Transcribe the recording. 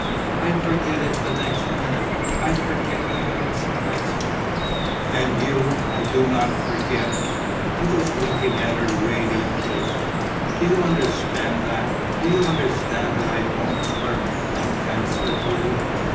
I forget it the next minute. I forget the prince the next minute. And you I do not forget." He was looking at her radiantly. "Do you understand that? Do you understand that I don't flirt and fence with you?